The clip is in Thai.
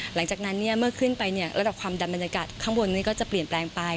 หลังจากนั้นเมื่อขึ้นไประดับความดันบรรยากาศข้างบนนี้ก็จะเปลี่ยนแปลงไป